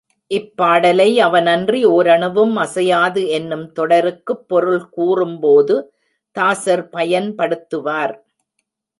இப்பாடலை அவனன்றி ஓரணுவும் அசையாது என்னும் தொடருக்குப் பொருள் கூறும்போது தாசர் பயன்படுத்துவார்.